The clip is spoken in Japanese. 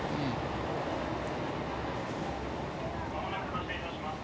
まもなく発車いたします。